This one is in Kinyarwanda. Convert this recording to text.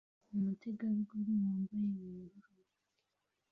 Umutegarugori wambaye ubururu